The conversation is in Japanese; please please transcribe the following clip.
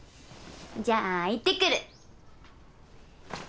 じゃあ行ってくる！